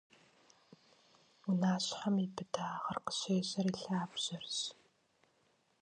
Унащхьэм и быдагъыр къыщежьэр и лъабжьэрщ.